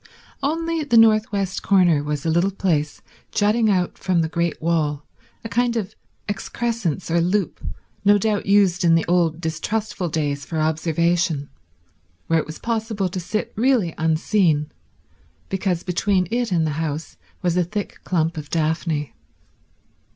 Only the north west corner was a little place jutting out from the great wall, a kind of excrescence or loop, no doubt used in the old distrustful days for observation, where it was possible to sit really unseen, because between it and the house was a thick clump of daphne.